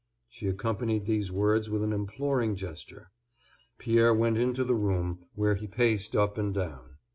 She accompanied these words with an imploring gesture. Pierre went into the room, where he paced up and down.